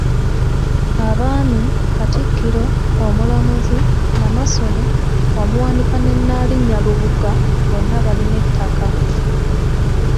Abaami, Katikkiro, Omulamuzi, Namasole, Omuwanika ne Nnaalinnya Lubuga bonna balina ettaka.